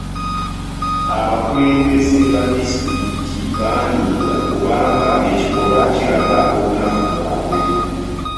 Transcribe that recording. Abakulembeze ba disitulikiti baanyiiga kubanga ekikolwa kiraga obunafu bwabwe.